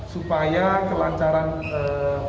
supaya kelancaran oksigen baik obat obatan juga